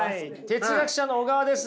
哲学者の小川です。